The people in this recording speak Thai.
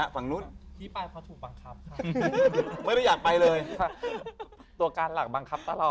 ฝั่งนู้น